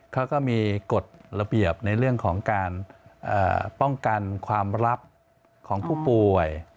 เขาก็มีกฎระเบียบในเรื่องของการป้องกันความลับของผู้ป่วย